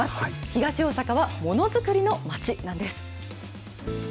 東大阪はものづくりの町なんです。